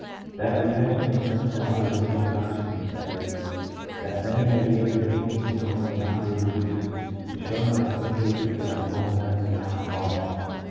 That retention is much broader than reproduction — that is, that many ideas are retained and normally not reproduced — is shown by some cases of abnormal memory in alcoholics.